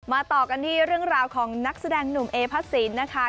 ต่อกันที่เรื่องราวของนักแสดงหนุ่มเอพระสินนะคะ